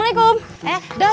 mak emang ke rumah